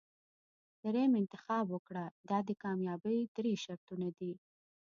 دریم انتخاب وکړه دا د کامیابۍ درې شرطونه دي.